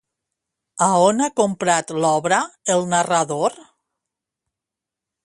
On ha comprat l'obra el narrador?